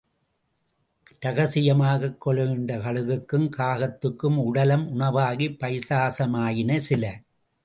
ரகசியமாகக் கொலையுண்டு கழுகுக்குங் காகத் துக்கும் உடலம் உணவாகிப் பைசாசமாயின சில.